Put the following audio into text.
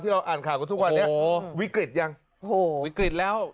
เราอ่านข่าวกันทุกวันนี้วิกฤตยังโอ้โหวิกฤตแล้ว